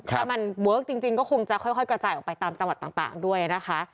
ถ้ามันเวิร์คจริงก็คงจะค่อยกระจายออกไปตามจังหวัดต่างด้วยนะคะ